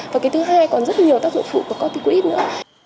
và cái thứ hai còn rất nhiều tác dụng phụ của corticoid nữa